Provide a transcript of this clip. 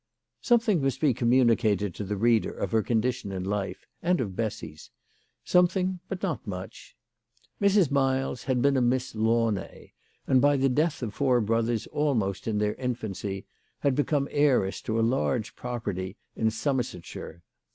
Something must be communicated to the reader of her condition in life, and of Bessy's ; something, but not much. Mrs. Miles had been a Miss Launay, and, by the death of four brothers almost in their infancy, had become heiress to a large property in Somerset shire.